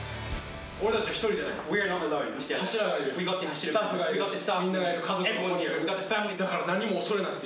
俺たちは１人じゃない。